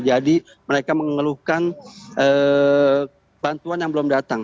jadi mereka mengeluhkan bantuan yang belum datang